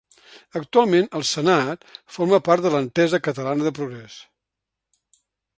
Actualment al Senat forma part de l'Entesa Catalana de Progrés.